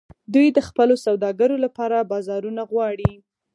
دوی د خپلو سوداګرو لپاره بازارونه غواړي